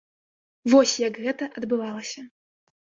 Вось як гэта адбывалася.